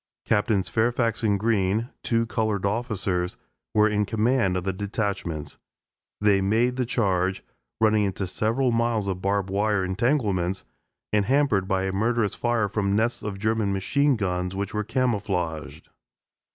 Captains Fairfax and Green, two colored officers, were in command of the detachments. They made the charge, running into several miles of barb wire entanglements, and hampered by a murderous fire from nests of German machine guns which were camouflaged.